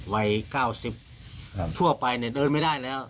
วัย๙๐ทั่วไปเนี่ยเดินไม่ได้แล้ว